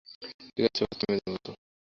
ঠিক বাচ্চা মেয়েদের মতো।